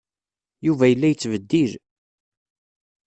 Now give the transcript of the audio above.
Yuba yella yettbeddil.